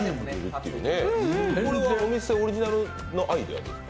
これはお店オリジナルのアイデアですか？